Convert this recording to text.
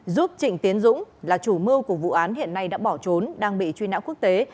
giúp trịnh tiến dũng là chủ mưu của vụ án hiện nay đã bỏ trốn đang bị truy nã quốc tế